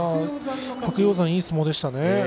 白鷹山、いい相撲でした